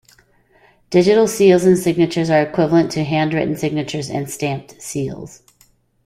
Digital seals and signatures are equivalent to handwritten signatures and stamped seals.